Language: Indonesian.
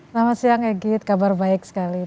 selamat siang egy kabar baik sekali